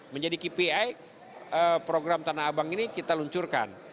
menjadi kpi program tanah abang ini kita luncurkan